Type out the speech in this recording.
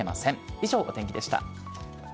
以上、お天気でした。